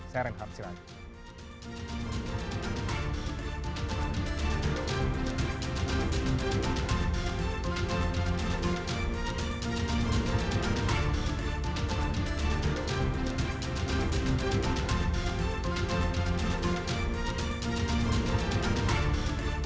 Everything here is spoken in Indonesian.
saya renk harjit raditya